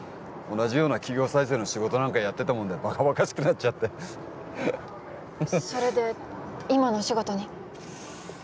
同じような企業再生の仕事なんかやってたもんでバカバカしくなっちゃってそれで今のお仕事に？